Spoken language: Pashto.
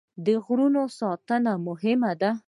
د غرونو ساتنه مهمه ده.